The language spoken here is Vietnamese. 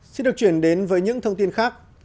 xin được chuyển đến với những thông tin khác